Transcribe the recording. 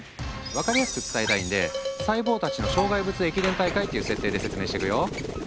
分かりやすく伝えたいんで細胞たちの障害物駅伝大会っていう設定で説明していくよ。